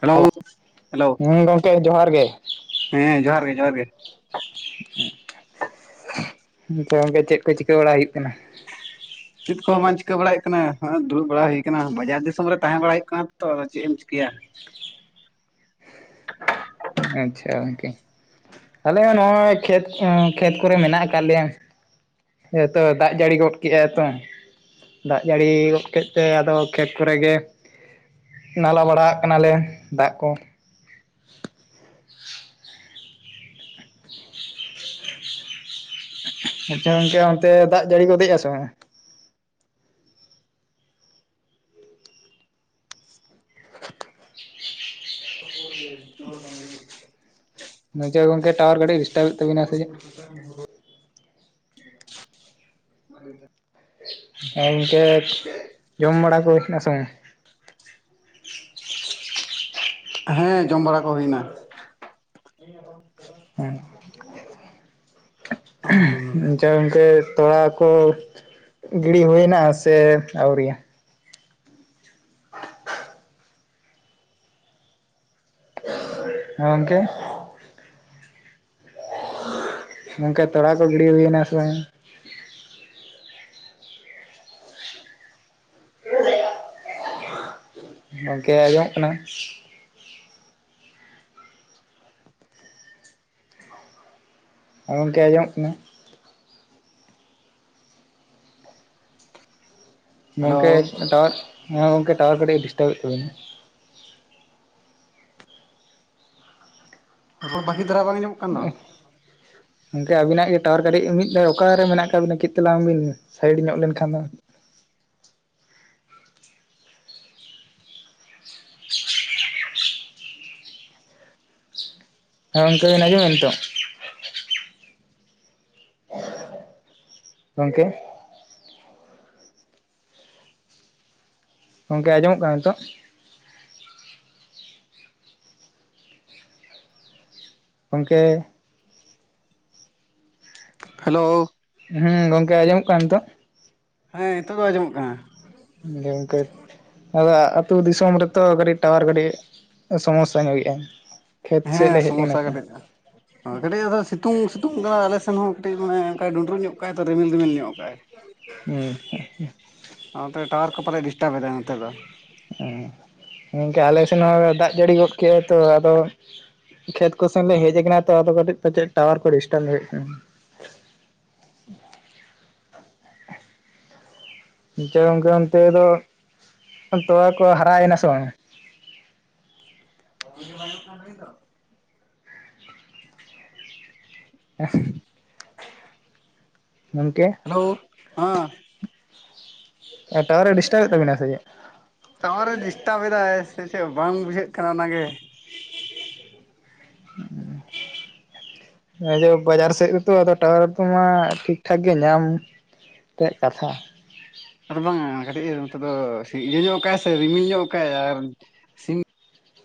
Hello hello ᱦᱮᱸ ᱜᱚᱝᱠᱮ ᱡᱚᱦᱟᱨ ᱜᱮ ᱦᱮᱸ ᱡᱚᱦᱟᱨ ᱜᱮ ᱡᱚᱦᱟᱨ ᱜᱮ᱾ ᱟᱪᱪᱷᱟ ᱜᱚᱝᱠᱮ ᱪᱮᱫ ᱠᱚ ᱪᱤᱠᱟᱹ ᱵᱟᱲᱟ ᱦᱩᱭᱩᱜ ᱠᱟᱱᱟ᱾ ᱪᱮᱫ ᱠᱚᱦᱚᱸ ᱵᱟᱝ ᱪᱤᱠᱟᱹ ᱵᱟᱲᱟ ᱦᱩᱭᱩᱜ ᱠᱟᱱᱟ ᱫᱩᱲᱩᱵᱲᱟ ᱦᱩᱭ ᱠᱟᱱᱟ ᱵᱟᱡᱟᱨ ᱫᱤᱥᱚᱢ ᱨᱮ ᱛᱟᱦᱮᱸ ᱵᱟᱲᱟ ᱦᱩᱭᱩᱜ ᱠᱟᱱᱟ ᱛᱚ ᱟᱫᱚ ᱪᱮᱫ ᱮᱢ ᱪᱤᱠᱟᱹᱭᱟ᱾ ᱟᱪᱪᱷᱟ ᱜᱳᱝᱠᱮ ᱟᱞᱮ ᱦᱚᱸ ᱱᱚᱜᱼᱚᱭ ᱠᱷᱮᱛ ᱠᱷᱮᱛ ᱠᱚᱨᱮ ᱢᱮᱱᱟᱜ ᱠᱟᱫ ᱞᱮᱭᱟ᱾ ᱦᱮᱸᱛᱚ ᱫᱟᱜ ᱡᱟᱹᱲᱤ ᱜᱚᱫ ᱠᱮᱫᱟᱭ ᱛᱚ ᱫᱟᱜ ᱡᱟᱹᱲᱤ ᱜᱚᱫ ᱠᱮᱫ ᱛᱮ ᱟᱫᱚ ᱠᱷᱮᱛ ᱠᱚᱨᱮ ᱜᱮ ᱱᱟᱞᱟ ᱵᱟᱲᱟᱜ ᱠᱟᱱᱟᱞᱮ ᱫᱟᱜ ᱠᱚ᱾ [inaudible] [inaudible] ᱟᱪᱪᱷᱟ ᱜᱚᱝᱠᱮ ᱚᱱᱛᱮ ᱫᱟᱜ ᱡᱟᱹᱲᱤ ᱜᱚᱫᱮᱜ ᱟᱭ ᱥᱮ ᱵᱟᱝ? [unintelligible] ᱵᱟᱝᱪᱚ ᱜᱚᱝᱠᱮ ᱴᱟᱣᱟᱨ ᱠᱟ. ᱴᱤᱡ ᱰᱤᱥᱴᱟᱵᱮᱛ ᱛᱟᱵᱤᱱᱟ ᱥᱮᱪᱮᱫ [inaudible] ᱦᱮᱸ ᱤᱱᱠᱟᱹ ᱡᱚᱢ ᱵᱟᱲᱟ ᱠᱚ ᱦᱳᱭᱱᱟ ᱥᱮ ᱵᱟᱝ? ᱦᱮᱸ ᱡᱚᱢ ᱵᱟᱲᱟ ᱠᱚ ᱦᱩᱭ ᱮᱱᱟ᱾ ᱟᱪᱪᱷᱟ ᱜᱚᱝᱠᱮ ᱛᱚᱲᱟ ᱠᱚ ᱜᱤᱰᱤ ᱦᱩᱭᱱᱟ ᱥᱮ ᱟᱹᱣᱨᱤ ᱭᱟ? ᱦᱮ ᱜᱚᱝᱠᱮ ᱢᱮᱱᱠᱷᱟᱡ ᱛᱚᱲᱟ ᱠᱚ ᱜᱤᱲᱤ ᱦᱩᱭᱮᱱᱟ ᱥᱮ ᱵᱟᱝ? ᱜᱚᱝᱠᱮ ᱟᱸᱡᱚᱢ ᱚᱜ ᱠᱟᱱᱟ᱾ ᱜᱚᱝᱠᱮ ᱟᱸᱡᱚᱢᱚᱜ ᱠᱟᱱᱟ᱾ ᱦᱮᱞᱳ ᱜᱚᱝᱠᱮ ᱴᱟᱣᱟᱨ ᱦᱮᱸ ᱜᱚᱝᱠᱮ ᱴᱟᱣᱟᱨ ᱠᱟᱹᱴᱤᱡ ᱰᱤᱥᱴᱟᱵᱮᱫ ᱛᱟᱵᱤᱱᱟ᱾ ᱨᱚᱲ ᱵᱟᱹᱜᱤ ᱫᱷᱟᱨᱟ ᱵᱟᱝ ᱧᱟᱢᱚᱜ ᱠᱟᱱ ᱫᱚ᱾ ᱜᱚᱝᱠᱮ ᱟᱵᱤᱱᱟᱜ ᱜᱮ ᱴᱟᱣᱟᱨ ᱠᱟᱹᱴᱤᱡ ᱢᱤᱫ ᱫᱷᱟᱣ ᱚᱠᱟᱨᱮ ᱢᱮᱱᱟᱜ ᱠᱟᱜ ᱵᱤᱱᱟ ᱪᱮᱫ ᱛᱮᱞᱟᱝ ᱵᱤᱱ ᱥᱟᱭᱤᱰ ᱧᱚᱜ ᱞᱮᱱᱠᱷᱟᱱ ᱫᱚ ᱦᱮᱸ ᱜᱚᱝᱠᱮ ᱵᱮᱱ ᱟᱸᱡᱚ ᱢᱮᱫ ᱱᱤᱛᱚᱜ᱾ ᱜᱚᱢᱠᱮ ᱜᱚᱝᱠᱮ ᱟᱸᱡᱚᱢ ᱚᱜ ᱠᱟᱱᱟ ᱱᱤᱛᱚᱜ ᱜᱚᱢᱠᱮ ᱦᱮᱞᱳ ᱦᱮᱸ ᱜᱚᱝᱠᱮ ᱟᱸᱡᱚᱢᱚᱜ ᱠᱟᱱᱟ ᱱᱤᱛᱚᱜ ᱦᱮᱸ ᱱᱤᱛᱚᱜ ᱫᱚ ᱟᱸᱡᱚᱢᱚᱜ ᱠᱟᱱᱟ ᱜᱚᱝᱠᱮ ᱟᱫᱚ ᱟᱛᱳ ᱫᱤᱥᱚᱢ ᱨᱮᱛᱚ ᱠᱟᱴᱤᱡ ᱴᱟᱣᱟᱨ ᱜᱟᱹᱰᱤ ᱥᱚᱢᱚᱥᱥᱟ ᱧᱚᱜᱮᱫᱼᱟ᱾ ᱠᱷᱮᱛ ᱥᱮᱫ ᱞᱮ ᱦᱮᱡ ᱠᱟᱱᱟ ᱛᱚ ᱦᱚᱭ ᱠᱟᱹᱴᱤᱡ ᱟᱫᱚ ᱥᱤᱛᱩᱝ ᱥᱤᱛᱩᱝ ᱠᱟᱱᱟ ᱟᱞᱮ ᱥᱮᱱ ᱦᱚᱸ ᱠᱟᱹᱴᱤᱡ ᱢᱟᱱᱮᱠᱟᱭ ᱰᱩᱸᱰᱨᱩᱜ ᱧᱚᱜ ᱠᱟᱭ ᱛᱚ ᱨᱤᱢᱤᱞ ᱫᱤᱢᱤᱞ ᱧᱚᱜ ᱠᱟᱜᱟᱭ ᱦᱩᱸ ᱚ ᱴᱟᱣᱟᱨ ᱠᱚ ᱯᱟᱞᱮ ᱰᱤᱥᱴᱵᱽ ᱮᱫᱟ ᱱᱚᱛᱮ ᱫᱚ ᱦᱮᱸ ᱜᱚᱢᱠᱮ ᱟᱞᱮ ᱥᱮᱱ ᱦᱚᱸ ᱫᱟᱜ ᱡᱟᱹᱲᱤ ᱜᱚᱫ ᱠᱮᱜᱼᱟ ᱛᱚ ᱟᱫᱚ ᱠᱷᱮᱛ ᱠᱚᱥᱮᱱ ᱞᱮ ᱦᱮᱡ ᱟᱠᱟᱱᱟ ᱛᱚ ᱟᱫᱚ ᱠᱟᱹᱴᱤᱡ ᱯᱟᱪᱮᱫ ᱴᱟᱣᱟᱨ ᱠᱚ ᱰᱤᱥᱴᱟᱨ ᱦᱩᱭᱩᱜ ᱠᱟᱱᱟ᱾ [unintelligible] ᱜᱚᱝᱠᱮ ᱚᱱᱛᱮ ᱫᱚ ᱛᱚᱣᱟ ᱠᱚ ᱦᱟᱨᱟᱭᱮᱱᱟ ᱥᱮ ᱵᱟᱝ? [inaudible] ᱮ ᱜᱚᱢᱠᱮ ᱦᱮᱞᱳ ᱦᱮᱸ᱾ ᱴᱟᱣᱟᱨᱮ ᱰᱤᱥᱴᱟᱨᱮᱫ ᱛᱟᱵᱮᱱᱟ ᱥᱮ ᱪᱮᱫ? ᱴᱟᱣᱟᱨᱮ ᱰᱤᱥᱴᱟᱵᱽ ᱮᱫᱟᱭ ᱥᱮ ᱪᱮᱫ ᱵᱟᱝ ᱵᱩᱡᱷᱟᱹᱜ ᱠᱟᱱᱟ ᱚᱱᱟᱜᱮ᱾ ᱦᱮᱸ [inaudible] ᱦᱮᱸ ᱡᱮ ᱵᱟᱡᱟᱨ ᱥᱮᱫ ᱨᱮᱛᱚ ᱟᱫᱚ ᱴᱟᱣᱟᱨ ᱠᱚᱢᱟ ᱴᱷᱤᱠ ᱴᱷᱟᱠ ᱜᱮ ᱧᱟᱢᱼᱼ ᱛᱮᱜ ᱠᱟᱛᱷᱟ᱾ ᱟᱫᱚ ᱵᱟᱝᱟ ᱠᱟᱹᱴᱤᱡ ᱱᱚᱜ ᱫᱚ ᱤᱭᱟᱹ ᱧᱚᱜ ᱠᱟᱜᱟᱭ ᱥᱮ ᱨᱤᱢᱤᱞ ᱧᱚᱜ ᱠᱟᱜᱟᱭ ᱟᱨ ᱥᱤᱼᱼ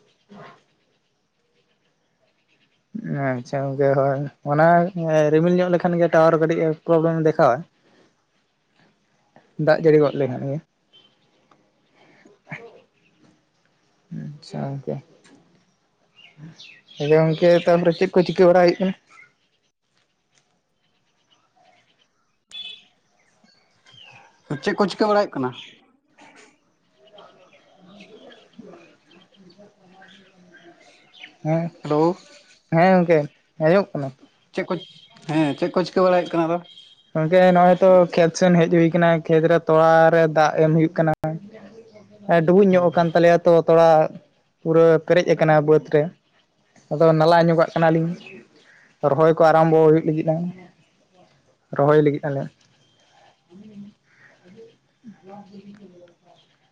[unintelligible] ᱟᱪᱪᱷᱟ ᱜᱚᱝᱠᱮ ᱦᱳᱭ ᱚᱱᱟ ᱨᱤᱢᱤᱞ ᱧᱚᱜ ᱞᱮᱠᱷᱟᱱ ᱜᱮ ᱴᱟᱣᱟᱨ ᱠᱟᱹᱴᱤᱡ ᱯᱨᱚᱵᱞᱮᱢ ᱫᱮᱠᱷᱟᱣᱟ᱾ ᱫᱟᱜ ᱡᱟᱹᱲᱤ ᱜᱚᱫ ᱞᱮᱠᱷᱟᱱ ᱜᱮ᱾ ᱟᱪᱪᱷᱟ ᱜᱚᱝᱠᱮ᱾ ᱟᱫᱚ ᱜᱚᱝᱠᱮ ᱛᱟᱨᱯᱚᱨᱮ ᱪᱮᱫ ᱠᱚ ᱪᱤᱠᱟᱹ ᱵᱟᱲᱟ ᱦᱩᱭᱩᱜ ᱠᱟᱱᱟ? ᱪᱮᱫ ᱠᱚ ᱪᱤᱠᱟᱹ ᱵᱟᱲᱟᱭ ᱦᱩᱭᱩᱜ ᱠᱟᱱᱟ, [inaudible] ᱦᱮᱸ ᱦᱮᱞᱳ᱾ ᱦᱮᱸ ᱜᱚᱝᱠᱮ ᱟᱸᱡᱚᱢᱚᱜ ᱠᱟᱱᱟ? ᱪᱮᱫ ᱠᱚ ᱦᱮᱸ ᱪᱮᱫ ᱠᱚ ᱪᱤᱠᱟᱹ ᱵᱟᱲᱟᱭ ᱦᱩᱭᱩᱜ ᱠᱟᱱᱟ ᱟᱫᱚ᱾ ᱜᱚᱝᱠᱮ ᱱᱚᱜᱚᱭ ᱛᱚ ᱠᱷᱮᱛ ᱥᱮᱱ ᱦᱮᱡ ᱦᱩᱭ ᱟᱠᱟᱱᱟ ᱠᱷᱮᱛ ᱨᱮ ᱛᱚᱲᱟᱨᱮ ᱫᱟᱜ ᱮᱢᱳᱭ ᱠᱟᱱᱟ᱾ ᱰᱩᱵᱩᱡ ᱧᱚᱜ ᱟᱠᱟᱱ ᱛᱟᱞᱮᱭᱟ ᱛᱚ ᱛᱚᱲᱟᱼᱼ ᱯᱩᱨᱟᱹ ᱯᱮᱨᱮᱡ ᱟᱠᱟᱱᱟ ᱵᱟᱹᱫᱽ ᱨᱮ ᱟᱫᱚ ᱱᱟᱞᱟ ᱧᱚᱜᱟᱜ ᱠᱟᱱᱟᱞᱤᱧ᱾ ᱨᱚᱦᱚᱭ ᱠᱚ ᱟᱨᱟᱢᱵᱚ ᱦᱩᱭᱩᱜ ᱞᱟᱹᱜᱤᱫᱼᱟ᱾ ᱨᱚᱦᱚᱭ ᱞᱟᱹᱜᱤᱫ ᱟᱞᱮ᱾ ᱟᱮ [inaudible] ᱦ [inaudible] [unintelligible]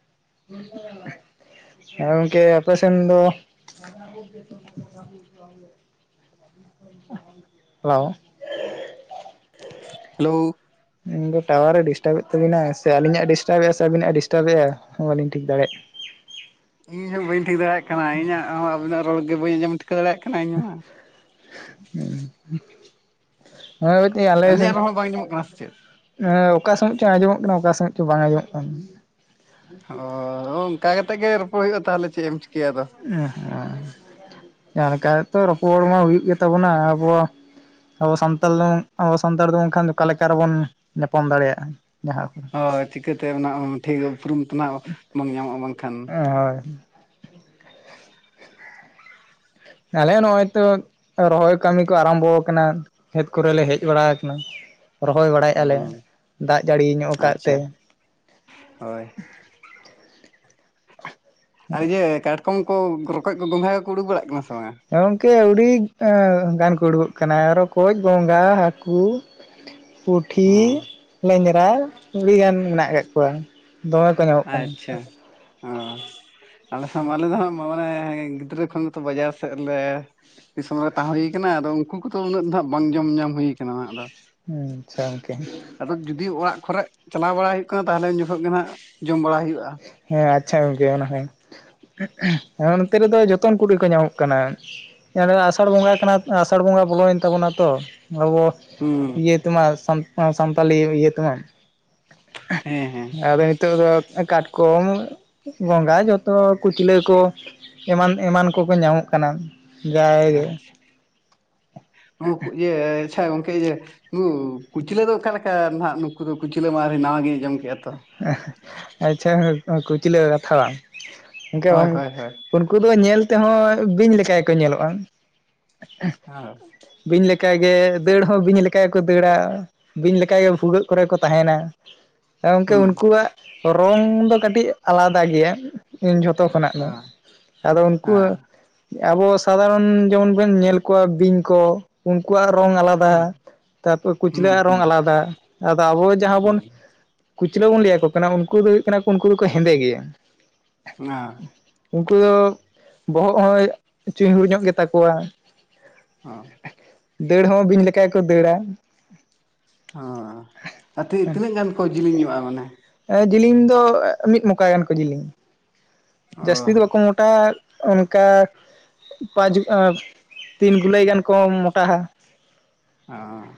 ᱟᱨ ᱜᱚᱢᱠᱮ ᱟᱯᱮᱥᱮᱱ ᱫᱚ, [unintelligible] [unintelligible] ᱦᱮᱞᱳ᱾ ᱦᱮᱞᱳ, ᱩᱱᱫᱚ ᱴᱟᱣᱟᱨᱮ ᱰᱤᱥᱴᱟᱵᱮᱫ ᱛᱟᱹᱵᱤᱱᱟ ᱥᱮ ᱟᱹᱞᱤᱧᱟᱜ ᱰᱤᱥᱴᱟᱵᱮᱫᱼᱟ ᱥᱮ ᱟᱵᱤᱱᱟᱜ ᱰᱤᱥᱴᱟᱵ ᱮᱜᱼᱟ ᱵᱟᱹᱞᱤᱧ ᱴᱷᱤᱠ ᱫᱟᱲᱮᱭᱟᱜᱼᱟᱼᱼ ᱤᱧᱦᱚᱸ ᱵᱟᱹᱧ ᱴᱷᱤᱠ ᱫᱟᱲᱮᱭᱟᱜ ᱠᱟᱱᱟ ᱤᱧᱟᱹᱜ ᱦᱚᱸ ᱟᱵᱤᱱᱟᱜ ᱨᱚᱲ ᱜᱮ ᱵᱟᱹᱧ ᱟᱸᱡᱚᱢ ᱴᱷᱤᱠᱟᱹ ᱫᱟᱲᱮᱭᱟᱜ ᱠᱟᱱᱟ ᱤᱧ ᱢᱟ᱾ ᱦ ᱦ ᱵ ᱛ ᱟᱞᱮ [inaudible] ᱮᱸ ᱟᱹᱞᱤᱧᱟᱜ ᱨᱚᱲ ᱦᱚᱸ ᱵᱟᱝ ᱟᱸᱡᱚᱢᱚᱜ ᱠᱟᱱᱟ ᱥᱮ ᱪᱮᱫ? ᱚᱠᱟ ᱥᱚᱢᱚᱭ ᱪᱚᱝ ᱟᱸᱡᱚᱢᱚᱜ ᱠᱟᱱᱟ ᱚᱠᱟ ᱥᱚᱢᱚᱭ ᱪᱚᱝ ᱵᱟᱝ ᱟᱸᱡᱚᱢᱚᱜ ᱠᱟᱱᱟ᱾ ᱚ ᱚᱱᱠᱟ ᱠᱟᱛᱮᱫ ᱜᱮ ᱨᱚᱯᱚᱲ ᱦᱩᱭᱩᱜᱼᱟ ᱛᱟᱦᱚᱞᱮ ᱪᱮᱫ ᱮᱢ ᱪᱤᱠᱟᱹᱭᱟ ᱟᱫᱚ᱾ ᱦᱸ ᱡᱟᱦᱟᱸ ᱞᱮᱠᱟᱛᱚ ᱨᱚᱯᱚᱲ ᱢᱟ ᱦᱩᱭᱩᱜ ᱜᱮᱛᱟᱵᱚᱱᱟ ᱟᱵᱚᱣᱟᱜᱼᱼ ᱟᱵᱚ ᱥᱟᱱᱛᱟᱞ ᱫᱚ ᱟᱵᱚ ᱥᱟᱱᱛᱟᱲ ᱫᱚ ᱵᱟᱝᱠᱷᱟᱱ ᱚᱠᱟ ᱞᱮᱠᱟ ᱨᱮᱵᱚᱱ ᱧᱟᱯᱟᱢ ᱫᱟᱲᱮᱭᱟᱜᱼᱟ ᱡᱟᱦᱟᱸ ᱠᱚᱼᱼ ᱦᱳᱭ ᱪᱤᱠᱟᱹᱛᱮ ᱚᱱᱟ ᱴᱷᱤᱠ ᱩᱯᱨᱩᱢ ᱛᱮ ᱱᱟᱜ ᱵᱟᱝ ᱧᱟᱢᱚᱜᱼᱟ ᱵᱟᱝᱠᱷᱟᱱ᱾ ᱦᱳᱭ [unintelligible] ᱛᱟᱦᱚᱞᱮ ᱱᱚᱜᱼᱚᱭ ᱛᱚᱼᱼ ᱨᱚᱦᱚᱭ ᱠᱟᱹᱢᱤ ᱠᱚ ᱟᱨᱟᱢᱵᱚ ᱟᱠᱟᱱᱟ ᱠᱷᱮᱛ ᱠᱚᱨᱮᱞᱮ ᱦᱮᱡ ᱵᱟᱲᱟ ᱟᱠᱟᱱᱟ᱾ ᱨᱚᱦᱚᱭ ᱵᱟᱲᱟᱭᱮᱼᱟᱞᱮ ᱦᱩᱸ ᱫᱟᱜ ᱡᱟᱹᱲᱤ ᱧᱚᱜ ᱟᱠᱟᱫ ᱛᱮ᱾ ᱟᱪᱪᱷᱟ ᱦᱳᱭ᱾ ᱟᱨ ᱤᱭᱟᱹ ᱠᱟᱴᱠᱚᱢ ᱠᱚ ᱨᱚᱠᱚᱡ ᱠᱚ ᱜᱚᱸᱜᱷᱟ ᱠᱚᱠᱚ ᱩᱰᱩᱠ ᱵᱟᱲᱟᱜ ᱠᱟᱱᱟ ᱥᱮ ᱵᱟᱝᱟ? ᱜᱚᱝᱠᱮ ᱟᱹᱰᱤ ᱜᱟᱱ ᱠᱚ ᱩᱰᱩᱠᱚᱜ ᱠᱟᱱᱟ ᱨᱚᱠᱚᱡ ᱜᱚᱝᱜᱟ ᱦᱟᱹᱠᱩ᱾ ᱯᱩᱴᱷᱤ ᱦᱩᱸ ᱞᱮᱸᱧᱨᱟ ᱟᱹᱰᱤᱜᱟᱱ ᱢᱮᱱᱟᱜ ᱠᱟᱜ ᱠᱚᱣᱟ᱾ ᱫᱚᱢᱮ, ᱠᱚ ᱧᱟᱢᱚᱜ ᱠᱟᱱᱟ ᱟᱪᱪᱷᱟ᱾ ᱚ [unintelligible] ᱟᱞᱮ, ᱟᱞᱮ ᱫᱚ ᱢᱟᱱᱮ ᱜᱤᱫᱽᱨᱟᱹ ᱠᱷᱚᱱ ᱜᱮᱛᱚ ᱵᱟᱡᱟᱨ ᱥᱮᱫ ᱞᱮ ᱫᱤᱥᱚᱢ ᱨᱮ ᱛᱟᱦᱮᱸ ᱦᱩᱭ ᱠᱟᱱᱟ ᱟᱫᱚ ᱩᱱᱠᱩ ᱠᱚᱫᱚ ᱩᱱᱟᱹᱜ ᱫᱚ ᱵᱟᱝ ᱡᱚᱢ ᱧᱟᱢ ᱦᱩᱭ ᱠᱟᱱᱟ ᱟᱫᱚ, ᱦᱩᱸ ᱟᱪᱪᱷᱟ ᱜᱚᱢᱠᱮ, ᱟᱫᱚ ᱡᱩᱫᱤ ᱚᱲᱟᱜ ᱠᱚᱨᱮᱜ ᱪᱟᱞᱟᱣ ᱵᱟᱲᱟ ᱦᱩᱭᱩᱜ ᱠᱟᱱᱟ ᱛᱟᱦᱚᱞᱮ ᱩᱱ ᱡᱚᱠᱷᱚᱡ ᱜᱮ ᱱᱟᱜ ᱡᱚᱢ ᱵᱟᱲᱟ ᱦᱩᱭᱩᱜᱼᱟ᱾ ᱦᱮᱸ ᱟᱪᱪᱷᱟ ᱜᱚᱝᱠᱮ [unintelligible] ᱱᱚᱱᱚᱛᱮ ᱨᱮᱫᱚ ᱡᱚᱛᱚᱱ ᱠᱩᱲᱤ ᱠᱚ ᱧᱟᱢᱚᱜ ᱠᱟᱱᱟ᱾ ᱦᱮᱸ ᱟᱥᱟᱲ ᱵᱚᱸᱜᱟ ᱠᱟᱱᱟ, ᱟᱥᱟᱲ ᱵᱚᱸᱜᱟ ᱵᱚᱞᱚᱭᱮᱱ ᱛᱟᱵᱚᱱᱟ ᱛᱚ ᱟᱵᱚ ᱦᱩᱸ ᱤᱭᱟᱹ ᱛᱟᱢᱟ, ᱥᱟᱱᱛᱟᱞᱤ ᱤᱭᱟᱹ ᱦᱮᱸ ᱦᱮᱸ ᱛᱮᱢᱟ᱾ᱟᱫᱚ, ᱱᱤᱛᱚᱜ ᱫᱚ ᱠᱟᱴᱠᱚᱢ ᱜᱚᱸᱜᱟ ᱡᱚᱛᱚ ᱠᱩᱪᱞᱟᱹ ᱠᱚ᱾ ᱮᱢᱟᱱ ᱮᱢᱟᱱ ᱠᱚᱠᱚ ᱧᱟᱢᱚᱜ ᱠᱟᱱᱟ ᱡᱟᱭᱜᱮ, ᱟᱪᱪᱷᱟ ᱤᱭᱟᱹ ᱟᱪᱪᱷᱟ ᱜᱚᱝᱠᱮ ᱤᱭᱟ. ᱱᱩ ᱠᱩᱪᱞᱟᱹ ᱫᱚ ᱚᱠᱟ ᱞᱮᱠᱟ ᱱᱟᱜ ᱱᱩᱠᱩ ᱫᱚ ᱠᱩᱪᱞᱟᱹ ᱢᱟ ᱱᱟᱣᱟ ᱜᱤᱧ ᱟᱸᱡᱚᱢ ᱠᱮᱜᱼᱟ ᱛᱚ᱾ ᱟᱪᱪᱷᱟ, ᱠᱩᱪᱞᱟᱹ ᱠᱟᱛᱷᱟ ᱵᱟᱝ? ᱦᱳᱭ ᱦᱳᱭ ᱦᱳᱭ [unintelligible] ᱩᱱᱠᱩ ᱫᱚ ᱧᱮᱞ ᱛᱮᱦᱚᱸ ᱵᱤᱧ ᱞᱮᱠᱟ ᱜᱮᱠᱚ ᱧᱮᱞᱚᱜᱼᱟ᱾ ᱵᱤᱧᱞᱮᱠᱟ ᱜᱮ, ᱫᱟᱹᱲ ᱦᱚᱸ ᱵᱤᱧ ᱞᱮᱠᱟ ᱜᱮᱠᱚ ᱫᱟᱹᱲ-ᱟ᱾ ᱵᱤᱧ ᱞᱮᱠᱟᱜᱮ ᱵᱷᱩᱜᱟᱹᱜ ᱠᱚᱨᱮ ᱠᱚ ᱛᱟᱦᱮᱱᱟ᱾ ᱜᱚᱝᱠᱮ ᱦᱩᱸ ᱦᱩᱸ ᱩᱱᱠᱩᱣᱟᱜ ᱨᱚᱝ ᱫᱚ ᱠᱟᱹᱴᱤᱡ ᱟᱞᱟᱫᱟ ᱜᱮᱭᱟ᱾ ᱤᱧ ᱡᱷᱚᱛᱚ ᱠᱷᱚᱱᱟᱜ ᱜᱮ, ᱦᱮᱸ ᱟᱫᱚ ᱩᱱᱠᱩ, ᱦᱮᱸ ᱟᱵᱚ ᱥᱟᱫᱷᱟᱨᱚᱱ ᱡᱮᱢᱚᱱ ᱵᱚᱱ ᱧᱮᱞ ᱠᱚᱣᱟ ᱵᱤᱧ ᱠᱚ ᱩᱱᱠᱩᱣᱟᱜ ᱨᱚᱝ ᱟᱞᱟᱫᱟ᱾ ᱦᱩᱸ ᱛᱟᱯᱚᱨ ᱦᱩᱸ ᱠᱩᱪᱞᱟᱹᱣᱟᱜ ᱨᱚᱝ ᱦᱩᱸ ᱟᱞᱟᱫᱟ ᱟᱫᱚ ᱟᱵᱚ ᱡᱟᱦᱟᱸ ᱵᱚᱱ, ᱦᱩᱸ ᱠᱩᱪᱞᱟᱹ ᱵᱚᱱ ᱞᱟᱹᱭᱟᱠᱚ ᱠᱟᱱᱟ ᱩᱱᱠᱩ ᱫᱚ ᱦᱩᱭᱩᱜ ᱠᱟᱱᱟ ᱠᱚ ᱩᱱᱠᱩ ᱫᱚᱠᱚ ᱦᱮᱸᱫᱮ ᱜᱮᱭᱟ᱾ [inaudible] ᱩᱱᱠᱩ ᱫᱚ ᱵᱚᱦᱚᱜ ᱦᱚᱸ ᱪᱩᱦᱩᱲ ᱧᱚᱜ ᱜᱮᱛᱟ ᱠᱚᱣᱟ᱾ ᱚ, ᱫᱟᱹᱲ ᱦᱚᱸ ᱵᱤᱧ ᱞᱮᱠᱟ ᱜᱮ ᱠᱚ ᱫᱟᱹᱲᱟ᱾ ᱚ, ᱟᱛᱤᱜ ᱛᱤᱱᱟᱹᱜ ᱜᱟᱱ ᱠᱚ ᱡᱤᱞᱤᱧ ᱧᱚᱜᱼᱟ ᱢᱟᱱᱮ, ᱡᱤᱞᱤᱧ ᱫᱚ ᱢᱤᱫ ᱢᱚᱠᱟ ᱜᱟᱱ ᱠᱚ ᱡᱤᱞᱤᱧᱟ ᱚ ᱡᱟᱹᱥᱛᱤ ᱫᱚ ᱵᱟᱠᱚ ᱢᱚᱴᱟᱣᱟ᱾ ᱚᱱᱠᱟ ᱯᱟᱸᱪ ᱛᱤᱱ ᱜᱩᱞᱟᱹᱭ ᱜᱟᱱ ᱠᱚ ᱢᱚᱴᱟᱣᱟ᱾ ᱚᱸ,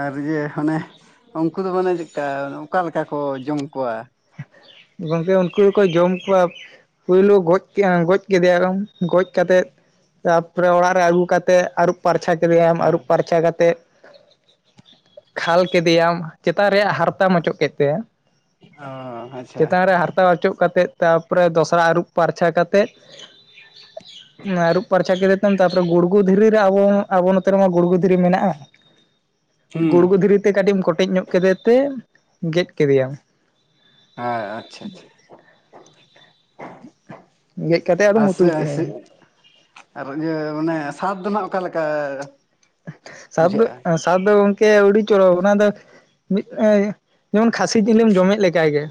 ᱟᱨ ᱤᱭᱟᱹ ᱦᱚᱱᱮ, ᱩᱱᱠᱩ ᱫᱚ ᱢᱟᱱᱮ ᱪᱮᱜᱠᱟ ᱚᱠᱟᱞᱮᱠᱟ ᱠᱚ ᱡᱚᱢ ᱠᱚᱣᱟ᱾ ᱜᱚᱝᱠᱮ ᱩᱱᱠᱩ ᱫᱚᱠᱚ ᱡᱚᱢ ᱠᱚᱣᱟ᱾ ᱯᱳᱭᱞᱳ ᱜᱚᱡ ᱜᱚᱡ ᱠᱮᱫᱮ ᱭᱟᱞᱚᱢ ᱜᱚᱡ ᱠᱟᱛᱮᱫ, ᱛᱟᱯᱚᱨᱮ ᱚᱲᱟᱜ ᱨᱮ ᱟᱹᱜᱩ ᱠᱟᱛᱮᱫ ᱟᱹᱨᱩᱵ ᱯᱟᱨᱪᱷᱟ ᱠᱮᱫᱮᱭᱟᱢ ᱦᱮᱸ ᱟᱹᱨᱩᱵ ᱯᱟᱨᱪᱟ ᱠᱟᱛᱮᱜ ᱠᱷᱟᱞ ᱠᱮᱫᱮᱭᱟᱢ᱾ ᱪᱮᱛᱟᱱ ᱨᱮᱭᱟᱜ ᱦᱟᱨᱛᱟᱢ ᱚᱪᱚᱜ ᱠᱮᱫ ᱛᱟᱭᱟ᱾ ᱚ, ᱟᱪᱪᱷᱟ ᱪᱮᱛᱟᱱ ᱨᱮ ᱦᱟᱨᱛᱟ ᱚᱪᱚᱜ ᱠᱟᱛᱮᱫ ᱛᱟᱯᱚᱨᱮ ᱫᱚᱥᱨᱟ ᱟᱹᱨᱩᱵ ᱯᱟᱨᱪᱷᱟ ᱠᱟᱛᱮᱫ᱾ ᱟᱹᱨᱩᱵ ᱯᱟᱨᱪᱟ ᱠᱮᱫᱮ ᱛᱮᱢ ᱛᱟᱨᱯᱚᱨᱮ ᱜᱩᱲᱜᱩ ᱫᱷᱤᱨᱤ ᱨᱮ ᱟᱵᱚ ᱟᱵᱚ ᱱᱚᱛᱮ ᱨᱮᱢᱟ ᱜᱩᱲᱜᱩ ᱫᱷᱤᱨᱤ ᱢᱮᱱᱟᱜᱼᱟ᱾ ᱦᱩᱸ ᱜᱩᱲᱜᱩ ᱫᱷᱤᱨᱤᱛᱮ ᱠᱟᱹᱴᱤᱡ ᱮᱢ ᱠᱚᱴᱮᱡ ᱧᱚᱜ ᱠᱮᱫᱮ ᱛᱮ ᱜᱮᱫ ᱠᱮᱫᱮᱭᱟᱢ᱾ [inaudible] ᱪᱷᱟ ᱪᱷᱟ, ᱜᱮᱫ ᱠᱟᱛᱮᱫ ᱟᱫᱚᱢ ᱟᱥᱮ ᱩᱛᱩ ᱟᱥᱤ ᱠᱮᱫᱮᱭᱟ ᱟᱨ ᱤᱭᱟᱹ ᱚᱱᱮ ᱥᱟᱵ ᱫᱚ ᱱᱷᱟᱸᱜ ᱚᱠᱟ ᱞᱮᱠᱟ, ᱮᱦ ᱥᱟᱵ ᱫᱚ [unintelligible] ᱯᱟᱹᱦᱤᱞ ᱫᱚ ᱜᱚᱝᱠᱮ ᱩᱰᱤ ᱪᱚᱨᱚᱠ ᱚᱱᱟ ᱫᱚᱻ ᱢᱤᱫ ᱮᱻᱤᱭᱟᱹ ᱡᱮᱢᱚᱱ ᱠᱷᱟᱹᱥᱤ ᱡᱤᱞ ᱮᱢ ᱡᱚᱢᱮᱫ ᱞᱮᱠᱟ ᱜᱮ,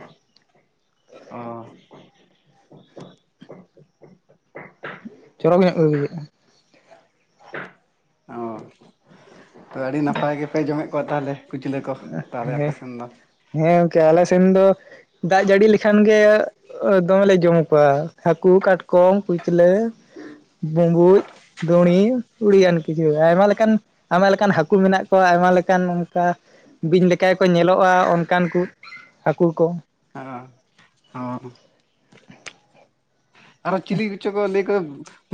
[unintelligible] ᱚ [unintelligible] [unintelligible] ᱪᱚᱨᱚᱠ ᱧᱚᱜ ᱜᱮ ᱵᱩᱡᱷᱟᱹᱜᱼᱟ᱾ [unintelligible] ᱚ ᱛᱚ ᱟᱹᱰᱤ ᱱᱟᱯᱟᱭ ᱜᱮ, ᱯᱮ ᱡᱚᱢᱮᱫ ᱠᱚᱣᱟ ᱛᱟᱦᱮᱞᱮ ᱠᱩᱪᱞᱟᱹ ᱠᱚ ᱛᱟᱦᱮᱞᱮ ᱵᱩᱡᱷᱟᱹᱜᱼᱟ ᱟᱯᱮ ᱥᱮᱱ ᱫᱚ᱾ ᱦᱮᱸ ᱜᱚᱝᱠᱮ ᱟᱞᱮᱥᱮᱱ ᱨᱤᱱ ᱫᱚ ᱫᱟᱜ ᱡᱟᱹᱲᱤ ᱞᱮᱠᱷᱟᱱ ᱜᱮ ᱫᱚᱢᱮ ᱞᱮ ᱡᱚᱢ ᱠᱚᱣᱟ, ᱦᱟᱹᱠᱩ ᱠᱟᱴᱠᱚᱢ ᱠᱩᱪᱞᱟᱹ ᱵᱩᱸᱵᱩᱡ, ᱫᱚᱬᱤ, ᱩᱲᱤᱭᱟᱱ ᱠᱤᱪᱷᱩ ᱟᱭᱢᱟ ᱞᱮᱠᱟᱱ, ᱟᱭᱢᱟ ᱞᱮᱠᱟᱱ ᱦᱟᱹᱠᱩ ᱢᱮᱱᱟᱜ ᱠᱚᱣᱟ ᱟᱭᱢᱟ ᱞᱮᱠᱟᱱ ᱚᱱᱠᱟ ᱵᱤᱧ ᱞᱮᱠᱟ ᱜᱮᱠᱚ ᱧᱮᱞᱚᱜᱼᱟ ᱚᱱᱠᱟᱱ ᱠᱩ ᱦᱟᱹᱠᱩ ᱠᱚ, ᱟᱸ ᱦᱚᱸ [unintelligible] ᱟᱨᱚ ᱪᱤᱞᱤ ᱠᱚᱪᱚ ᱠᱚ ᱞᱟᱹᱭ ᱦᱮᱸ,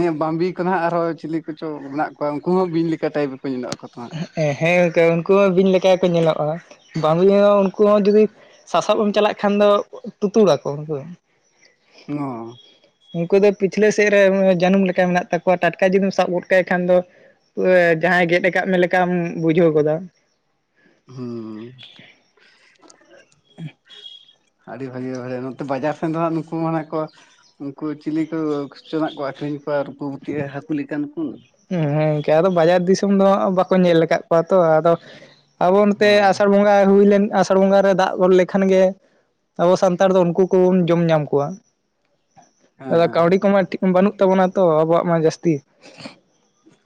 ᱦᱮᱸ ᱵᱟᱹᱢᱵᱤ ᱠᱚ ᱱᱷᱟᱸᱜ ᱟᱨᱦᱚᱸ ᱪᱤᱞᱤ ᱠᱚᱪᱚ ᱢᱮᱱᱟᱜ ᱠᱚᱣᱟ ᱩᱸᱠᱩ ᱦᱚᱸ ᱵᱤᱧ ᱞᱮᱠᱟ ᱴᱟᱹᱭᱤᱯ ᱮ ᱦᱮᱸ ᱜᱚᱝᱠᱮ ᱩᱱᱠᱩ ᱦᱚᱸ ᱵᱤᱧ ᱞᱮᱠᱟ ᱜᱮᱠᱚ ᱧᱮᱞᱚᱜᱼᱟ, ᱵᱟᱹᱢᱵᱤ ᱦᱚᱸ ᱩᱱᱠᱩ ᱦᱚᱸ ᱡᱩᱫᱤ ᱥᱟᱥᱟᱜ ᱮᱢ ᱪᱟᱞᱟᱜ ᱠᱷᱟᱱ ᱫᱚ ᱩ ᱴᱩᱛᱩᱲᱟᱠᱚ ᱩᱱᱠᱩ ᱫᱚ᱾ ᱦᱚᱸ, ᱩᱱᱠᱩ ᱫᱚ ᱯᱤᱪᱷᱞᱟᱹ ᱥᱮᱜ ᱨᱮ ᱮᱸᱻᱢ ᱡᱟᱹᱱᱩᱢ ᱞᱮᱠᱟ ᱢᱮᱱᱟᱜ ᱛᱟᱠᱚᱣᱟ, ᱴᱟᱴᱠᱟ ᱡᱩᱫᱤᱢ ᱥᱟᱵ ᱜᱚᱫ ᱠᱟᱭ ᱠᱷᱟᱱ ᱫᱚ ᱮᱸ ᱡᱟᱦᱟᱸᱭ ᱜᱮᱫ ᱟᱠᱟᱫ ᱢᱮ ᱞᱮᱠᱟᱢ ᱵᱩᱡᱷᱟᱹᱣ ᱜᱚᱫᱟ᱾ ᱦᱩᱸ [unintelligible] ᱟᱹᱰᱤ ᱵᱷᱟᱹᱜᱤ ᱵᱷᱟᱜᱮ ᱱᱚᱛᱮ ᱵᱟᱡᱟᱨ ᱥᱮᱱ ᱫᱚ ᱦᱟᱸᱜ ᱱᱩᱠᱩ ᱢᱟᱱᱷᱟᱜ ᱠᱚ ᱩᱱᱠᱩ ᱪᱤᱞᱤ ᱠᱚᱻ ᱠᱷᱚᱪᱚ ᱱᱷᱟᱸᱜ ᱠᱚ ᱟᱹᱠᱷᱨᱤᱧ ᱠᱚᱣᱟ ᱨᱩᱯᱩ ᱵᱩᱛᱤᱭᱟᱹ ᱦᱟᱹᱠᱩ ᱞᱮᱠᱟᱱ ᱠᱩᱸ, ᱦᱮᱸ ᱦᱮᱸ ᱜᱚᱝᱠᱮ, ᱟᱫᱚ ᱵᱟᱡᱟᱨ ᱫᱤᱥᱚᱢ ᱫᱚ ᱦᱟᱸᱜ ᱵᱟᱠᱚ ᱧᱮᱞ ᱟᱠᱟᱫ ᱠᱚᱣᱟ ᱛᱚ ᱟᱫᱚ ᱟᱵᱚ ᱱᱚᱛᱮ ᱦᱳᱭ ᱟᱥᱟᱲ ᱵᱚᱸᱜᱟ ᱦᱩᱭ ᱞᱮᱱ ᱟᱥ- ᱛᱟᱲ ᱵᱚᱸᱜᱟ ᱨᱮ ᱫᱟᱜ ᱜᱚᱫ ᱞᱮᱠᱷᱟᱱ ᱜᱮ ᱟᱵᱚ ᱥᱟᱱᱛᱟᱲ ᱫᱚ ᱩᱱᱠᱩ ᱠᱚᱵᱩᱱ ᱡᱚᱢ ᱧᱟᱢ ᱠᱚᱣᱟ, ᱮ ᱦᱮᱸ ᱠᱟᱹᱣᱰᱤ ᱠᱚᱢᱟ ᱴᱷᱤᱠ ᱵᱟᱹᱱᱩᱜ ᱛᱟᱵᱚᱱᱟ ᱛᱚ ᱟᱵᱚᱣᱟᱜ ᱢᱟ ᱡᱟᱹᱥᱛᱤ᱾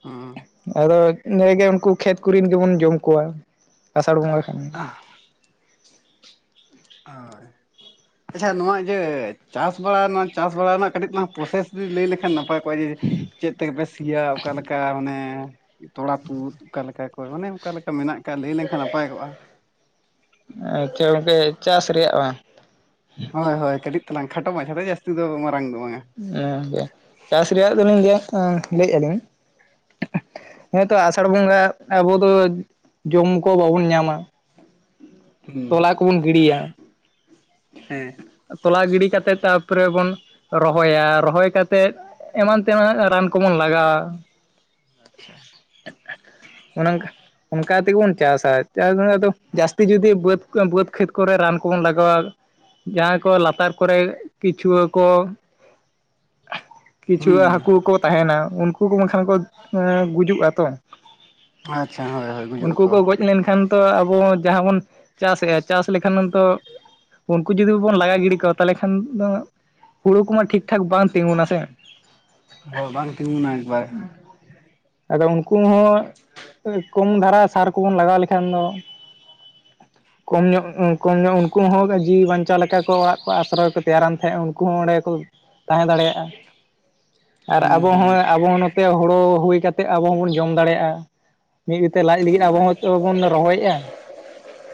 ᱦᱩᱸ, ᱟᱫᱚ ᱱᱟᱹᱭ ᱜᱮ ᱩᱱᱠᱩ ᱠᱷᱮᱛ ᱠᱚᱨᱤᱱ ᱜᱮᱵᱚᱱ ᱡᱚᱢ ᱠᱚᱣᱟ ᱟᱥᱟᱲ ᱵᱚᱸᱜᱟ ᱠᱷᱟᱱ ᱜᱮ᱾ ᱳᱭ, ᱟᱪᱪᱷᱟ ᱱᱚᱣᱟ ᱤᱭᱟᱹ ᱪᱟᱥ ᱵᱟᱲᱟ ᱱᱚᱣᱟ ᱪᱟᱥ ᱵᱟᱲᱟ ᱨᱮᱱᱟᱜ ᱠᱟᱹᱴᱤᱡ ᱛᱟᱞᱟᱝ ᱯᱚᱨᱚᱥᱮᱥ ᱛᱮᱫ ᱞᱟᱹᱭ ᱞᱮᱠᱷᱟᱱ ᱱᱟᱯᱟᱭ ᱚᱠᱚᱭ ᱪᱮᱫ ᱛᱮᱜᱮ ᱯᱮ ᱥᱤᱭᱟ ᱚᱠᱟ ᱞᱮᱠᱟ ᱢᱟᱱᱮ ᱛᱚᱲᱟ ᱛᱩᱫ ᱚᱠᱟ ᱞᱮᱠᱟ ᱚᱭ ᱚᱱᱮ ᱚᱸᱠᱟ ᱞᱮᱠᱟ ᱢᱮᱱᱟᱜ ᱠᱟᱜ ᱞᱟᱹᱭ ᱞᱮᱱᱠᱷᱟᱱ ᱱᱟᱯᱟᱭᱚᱜᱼᱟ? ᱟᱪᱪᱷᱟ ᱜᱚᱝᱠᱮ ᱪᱟᱥ ᱨᱮᱭᱟᱜ ᱵᱟᱝ? ᱦᱳᱭ ᱦᱳᱭ ᱠᱟᱹᱴᱤᱡ ᱛᱟᱞᱟᱝ ᱠᱷᱟᱴᱚ ᱢᱟᱪᱷᱟ ᱛᱮ ᱡᱟᱹᱥᱛᱤ ᱫᱚ ᱢᱟᱨᱟᱝ ᱫᱚ ᱵᱟᱝᱼᱟ, ᱮᱸ ᱜᱚᱝᱠᱮ ᱪᱟᱥ ᱨᱮᱭᱟᱜ ᱫᱚᱞᱤᱧ ᱞᱟᱹᱭᱮᱫ ᱩᱸ ᱞᱟᱹᱭ ᱮᱜᱼᱟ ᱞᱤᱧ, [unintelligible] ᱦᱮᱸᱛᱚ ᱟᱥᱟᱲ ᱵᱚᱸᱜᱟ ᱟᱵᱚ ᱫᱚ ᱡᱚᱢ ᱠᱚ ᱵᱟᱵᱚᱱ ᱧᱟᱢᱟ, ᱦᱩᱸ [unintelligible] ᱛᱚᱲᱟ ᱠᱚᱵᱚᱱ ᱜᱤᱲᱤᱭᱟ, ᱦᱮᱸ ᱛᱚᱞᱟ ᱜᱤᱰᱤ ᱠᱟᱛᱮᱫ ᱛᱟᱯᱚᱨᱮ ᱵᱚᱱ ᱨᱚᱦᱚᱭᱟ ᱨᱚᱦᱚᱭ ᱠᱟᱛᱮᱫ ᱮᱢᱟᱱ ᱛᱮᱱᱟᱜ ᱨᱟᱱ ᱠᱚᱵᱚᱱ ᱞᱟᱜᱟᱣᱟ, ᱟᱪᱪᱷᱟ, [unintelligible] ᱚᱱᱟᱸᱠ ᱚᱱᱠᱟ ᱛᱮᱜᱮ ᱵᱚᱱ ᱪᱟᱥᱼᱟ, ᱪᱟᱥ ᱨᱮᱱᱟᱜ ᱫᱚ ᱡᱟᱹᱥᱛᱤ ᱡᱩᱫᱤ ᱵᱟᱹᱫᱽ ᱠᱟᱹᱢᱵᱩᱣᱟᱹ ᱵᱟᱹᱫᱽ ᱠᱷᱮᱛ ᱠᱚᱨᱮ ᱨᱟᱱ ᱠᱚᱵᱚᱱ ᱞᱟᱜᱟᱣᱟ, ᱡᱟᱦᱟᱸᱭ ᱠᱚᱣᱟᱜ ᱞᱟᱛᱟᱨ ᱠᱚᱨᱮ ᱠᱤᱪᱩᱣᱟᱹ ᱠᱚ ᱦᱩᱸ ᱠᱤᱪᱷᱣᱟᱹ ᱦᱟᱹᱠᱩ ᱠᱚ ᱛᱟᱦᱮᱸᱱᱟ ᱩᱱᱠᱩ ᱠᱚ ᱵᱟᱝᱠᱷᱟᱱ ᱠᱚ ᱮᱸ ᱜᱩᱡᱩᱜᱼᱟ ᱛᱚ ᱾ ᱟᱪᱪᱷᱟ ᱦᱳᱭ ᱦᱳᱭ [inaudible] ᱜᱩᱡᱩᱜ ᱩᱱᱠᱩ ᱠᱚ ᱟᱠᱚ ᱜᱚᱡ ᱞᱮᱱᱠᱷᱟᱱ ᱛᱚ ᱟᱵᱚ ᱦᱚᱸ ᱡᱟᱦᱟᱸ ᱵᱚᱱ ᱪᱟᱥ ᱮᱼᱟ, ᱪᱟᱥ ᱞᱮᱠᱷᱟᱱ ᱦᱚᱸᱱ ᱛᱚ, ᱩᱱᱠᱩ ᱡᱩᱫᱤ ᱵᱟᱵᱚᱱ ᱞᱟᱜᱟ ᱜᱤᱰᱤ ᱠᱚᱣᱟ ᱛᱟᱦᱚᱞᱮ ᱠᱷᱟᱱ ᱫᱚ ᱦᱩᱲᱩ ᱠᱩᱢᱟ ᱴᱷᱤᱠ ᱴᱷᱟᱠ ᱵᱟᱝ ᱛᱤᱸᱜᱩᱱᱟ ᱥᱮ ᱦᱩᱭ ᱵᱟᱝ ᱛᱤᱜᱩᱱᱟ ᱮᱠᱵᱟᱨ᱾ ᱟᱫᱚ ᱩᱱᱠᱩ ᱦᱚᱸ ᱠᱚᱢ ᱫᱷᱟᱨᱟ ᱥᱟᱨ ᱠᱚᱵᱚᱱ ᱞᱟᱜᱟᱣ ᱞᱮᱠᱷᱟᱱ ᱫᱚ ᱠᱚᱢ ᱧᱚᱜ ᱠᱚᱢ ᱧᱚᱜ ᱩᱱᱠᱩ ᱦᱚᱸ ᱡᱤᱣᱤ ᱵᱟᱧᱪᱟᱣ ᱞᱮᱠᱟ ᱠᱚ ᱚᱲᱟᱜ ᱠᱚ ᱟᱥᱨᱚᱭ ᱠᱚ ᱛᱮᱭᱟᱨᱟᱱ ᱛᱟᱦᱮᱸᱫ ᱠᱩ ᱚᱸᱰᱮ ᱜᱮᱠᱚ ᱛᱟᱦᱮᱸ ᱫᱟᱲᱮᱭᱟᱜᱼᱟ ᱟᱨ ᱦᱮᱸ ᱟᱵᱚ ᱦᱮᱸ ᱦᱚᱸ ᱟᱵᱚ ᱱᱚᱛᱮ ᱛᱮ ᱦᱳᱲᱳ ᱦᱩᱭ ᱠᱟᱛᱮᱫ ᱟᱵᱚ ᱦᱚᱸᱵᱚᱱ ᱡᱚᱢ ᱫᱟᱲᱮᱭᱟᱜᱼᱟ ᱢᱤᱫ ᱵᱤᱛᱷᱟ ᱞᱟᱡ ᱞᱟᱹᱜᱤᱫ ᱟᱵᱚ ᱦᱚᱸ ᱵᱚᱱ ᱨᱚᱦᱚᱭᱮᱫᱼᱟ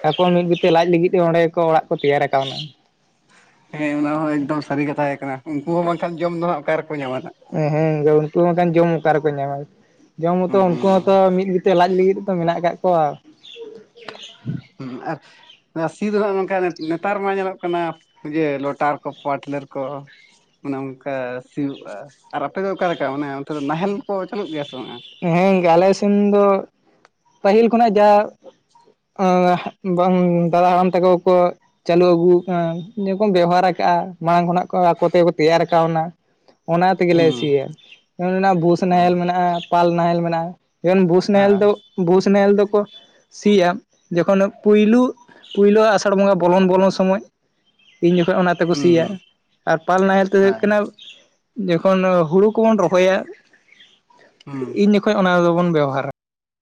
ᱮᱵᱚᱝ ᱢᱤᱫ ᱵᱩᱛᱟ. ᱞᱟᱡ ᱞᱟᱹᱜᱤᱫ ᱛᱮ ᱚᱸᱰᱮ ᱠᱚ ᱚᱲᱟᱜ ᱠᱚ ᱛᱮᱭᱟᱨ ᱠᱟᱣᱱᱟ᱾ ᱦᱮᱸ ᱚᱱᱟ ᱦᱚᱸᱚᱸ ᱮᱠᱫᱚᱢ ᱥᱟᱹᱨᱤ ᱠᱟᱛᱷᱟ ᱠᱟᱱᱟ ᱩᱱᱠᱩ ᱦᱚᱸ ᱵᱟᱝᱠᱷᱟᱱ ᱡᱚᱢ ᱫᱚ ᱦᱟᱜ ᱚᱠᱟ ᱨᱮᱠᱚ ᱧᱟᱢᱟ ᱦᱟᱜ ᱱᱟᱦᱟᱜ ᱦᱮᱸ ᱩᱱᱠᱩ ᱵᱟᱠᱷᱟᱱ ᱡᱚᱢ ᱚᱠᱟ ᱨᱮᱠᱚ ᱧᱟᱢᱟ ᱡᱚᱢ ᱢᱚᱛᱚ ᱦᱩᱸ ᱩᱱᱠᱩ ᱦᱚᱸᱛᱚ ᱢᱤᱫ ᱞᱟᱡ ᱞᱟᱹᱜᱤᱫ ᱛᱚ ᱢᱮᱱᱟᱜ ᱟᱠᱟᱫ ᱠᱚᱣᱟ᱾ ᱦᱮ ᱟᱨ ᱥᱤ ᱨᱮᱦᱚ ᱱᱚᱝᱠᱟ ᱱᱮᱛᱟᱨ ᱢᱟ ᱧᱮᱞᱚᱜ ᱠᱟᱱᱟ ᱤᱭᱟ ᱞᱚᱴᱟᱨ, ᱠᱚ ᱯᱟᱴᱞᱟᱨ, ᱠᱚ ᱚᱱᱮ ᱚᱱᱠᱟ ᱥᱤᱭᱳᱜᱼᱟ ᱟᱨ ᱟᱯᱮᱫ ᱫᱚ ᱚᱠᱟᱮ ᱞᱮᱠᱟ ᱚᱱᱮ ᱚᱱᱛᱮ ᱫᱚ ᱱᱟᱦᱮᱞ ᱠᱚ ᱪᱟᱞᱩᱜ ᱜᱮᱭᱟ ᱥᱮ ᱵᱟᱝ ᱦᱮᱸ ᱟᱞᱮ ᱥᱮᱱ ᱫᱚ ᱯᱟᱹᱦᱤᱞ ᱠᱷᱚᱱᱟᱜ ᱡᱟ ᱵᱟᱝ ᱫᱟᱫᱟ ᱦᱟᱲᱟᱢ ᱛᱟᱠᱚ ᱠᱚ ᱪᱟᱹᱞᱩ ᱟᱹᱜᱩ ᱠᱟᱱᱟ ᱡᱮᱠᱷᱚᱱ ᱵᱮᱣᱦᱟᱨ ᱟᱠᱟᱜᱼᱟ ᱢᱟᱲᱟᱝ ᱠᱷᱚᱱᱟᱜ ᱟᱠᱚ ᱛᱮᱠᱚ ᱛᱮᱭᱟᱨ ᱠᱟᱣᱱᱟ᱾ ᱚᱱᱟ ᱛᱮᱜᱮᱞᱮ ᱦᱩᱸ ᱥᱤᱭᱟ ᱵᱷᱩᱥ ᱱᱟᱦᱮᱞ ᱢᱮᱱᱟᱜᱼᱟ ᱯᱟᱞ ᱱᱟᱦᱮᱞ ᱢᱮᱱᱟᱜᱼᱟ᱾ ᱡᱮᱢᱚᱱ ᱵᱷᱩᱥ ᱦᱩᱸ ᱱᱟᱦᱮᱞ ᱦᱮᱸ ᱫᱚ ᱵᱩᱥ ᱱᱟᱦᱮᱞ ᱫᱚᱠᱚ ᱥᱤᱭᱟ ᱡᱚᱠᱷᱚᱱ ᱯᱳᱭᱞᱳ ᱯᱳᱭᱞᱳ ᱟᱥᱟᱲ ᱵᱚᱸᱜᱟ ᱵᱚᱞᱚᱱ ᱵᱚᱞᱚᱱ ᱥᱚᱢᱚᱭ ᱤᱧ ᱡᱚᱠᱷᱚᱱ ᱚᱱᱟᱛᱮ ᱠᱩ ᱦᱩᱸ ᱥᱤᱭᱟ ᱟᱨ ᱯᱟᱞ ᱱᱟᱦᱮᱞ ᱛᱮᱫᱚ ᱦᱩᱭᱩᱜ ᱦᱮᱸ ᱠᱟᱱᱟ᱾ ᱡᱚᱠᱷᱚᱱ ᱦᱩᱲᱩ ᱠᱚᱵᱚᱱ ᱨᱚᱦᱚᱭᱟ ᱦᱩᱸ ᱩᱱ ᱡᱚᱠᱷᱟᱱ ᱠᱷᱚᱱ ᱚᱱᱟ ᱨᱮᱫᱚ ᱵᱚᱱ ᱵᱮᱣᱦᱟᱨᱟ,